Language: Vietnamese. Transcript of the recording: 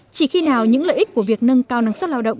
chỉ khi nào những lợi ích của việc nâng cao năng suất lao động